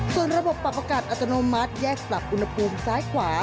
ส่วนระบบปรับอากาศอัตโนมัติแยกปรับอุณหภูมิซ้ายขวา